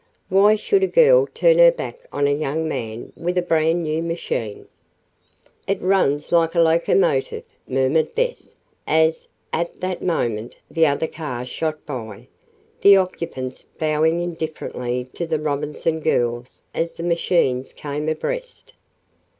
"Why should a girl turn her back on a young man with a brand new machine?" "It runs like a locomotive," murmured Bess, as, at that moment, the other car shot by, the occupants bowing indifferently to the Robinson girls as the machines came abreast.